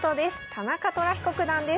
田中寅彦九段です。